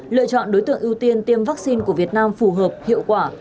lựa chọn đối tượng ưu tiên tiêm vaccine của việt nam phù hợp hiệu quả